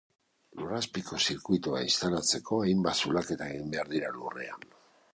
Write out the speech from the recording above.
Lurrazpiko zirkuitua instalatzeko hainbat zulaketa egin behar dira lurrean.